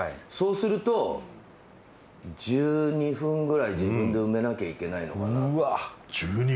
そうすると、１２分くらい自分で埋めなきゃいけないのかな。